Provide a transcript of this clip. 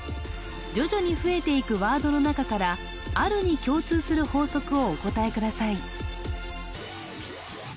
徐々に増えていくワードの中からあるに共通する法則をお答えください